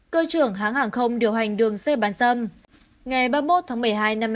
cơ trưởng hãng hàng không điều hành đường dây bán dâm